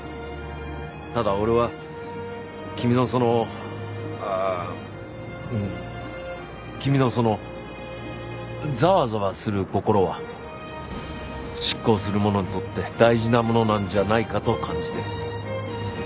ただ俺は君のそのうん。君のそのざわざわする心は執行する者にとって大事なものなんじゃないかと感じてる。